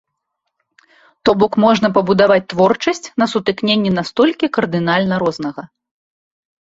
То бок можна пабудаваць творчасць на сутыкненні настолькі кардынальна рознага.